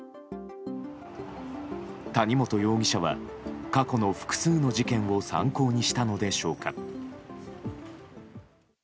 谷本容疑者は過去の複数の事件を参考にしたのでしょうか。